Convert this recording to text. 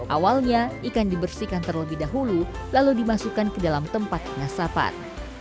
awalnya ikan dibersihkan terlebih dahulu lalu dimasukkan ke dalam tempat pengasapan